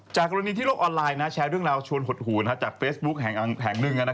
กรณีที่โลกออนไลน์แชร์เรื่องราวชวนหดหูจากเฟซบุ๊กแห่งหนึ่ง